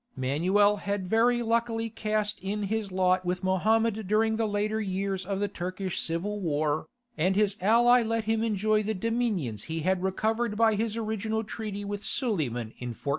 Manuel had very luckily cast in his lot with Mohammed during the later years of the Turkish civil war, and his ally let him enjoy the dominions he had recovered by his original treaty with Suleiman in 1403.